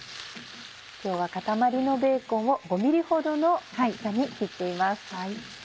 今日は塊のベーコンを５ｍｍほどの厚さに切っています。